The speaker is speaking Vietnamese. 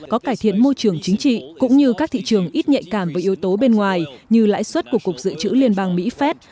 có cải thiện môi trường chính trị cũng như các thị trường ít nhạy cảm với yếu tố bên ngoài như lãi suất của cục dự trữ liên bang mỹ phép